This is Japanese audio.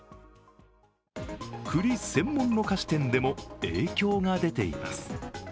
栗専門の菓子店でも影響が出ています。